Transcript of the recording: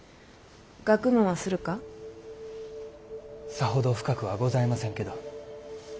さほど深くはございませんけど。